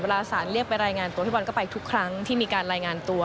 สารเรียกไปรายงานตัวพี่บอลก็ไปทุกครั้งที่มีการรายงานตัว